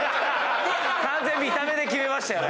見た目で決めましたよね。